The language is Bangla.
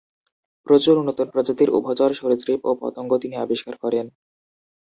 প্রচুর নতুন প্রজাতির উভচর, সরীসৃপ ও পতঙ্গ তিনি আবিষ্কার করেন।